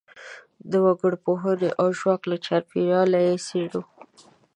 د وګړپوهنې او ژواک له چاپیریال یې څېړو.